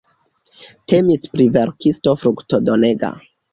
Temis pri verkisto fruktodonega.